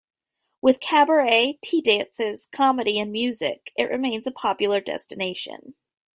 With cabaret, tea dances, comedy and music, it remains a popular destination.